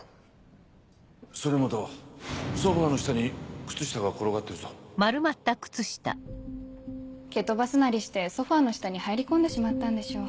曽根本ソファの下に靴下が転がってる蹴飛ばすなりしてソファの下に入り込んでしまったんでしょう。